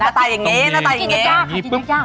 หน้าตาอย่างนี้หน้าตาอย่างนี้